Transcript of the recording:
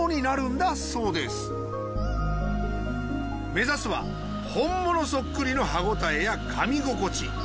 目指すは本物そっくりの歯応えやかみ心地。